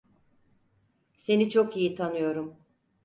Seni çok iyi tanıyorum.